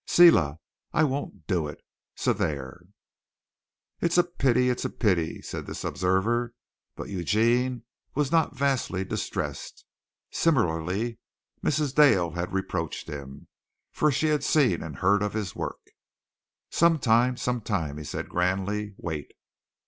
Selah! I won't do it. So there!" "It's a pity! It's a pity!" said this observer, but Eugene was not vastly distressed. Similarly Mrs. Dale had reproached him, for she had seen and heard of his work. "Some time. Some time," he said grandly; "wait."